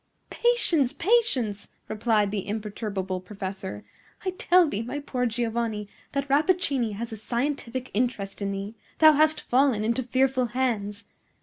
"Patience! patience!" replied the imperturbable professor. "I tell thee, my poor Giovanni, that Rappaccini has a scientific interest in thee. Thou hast fallen into fearful hands!